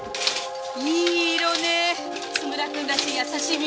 いい色ね津村君らしい優しい緑。